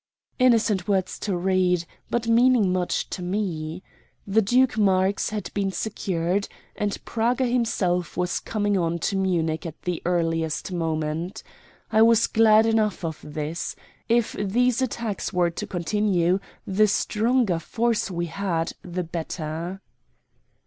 Innocent words to read, but meaning much to me. The Duke Marx had been secured, and Praga himself was coming on to Munich at the earliest moment. I was glad enough of this. If these attacks were to continue, the stronger force we had the better.